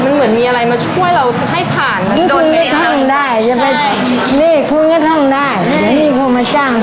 มันเหมือนมีอะไรมาช่วยเราให้ผ่าน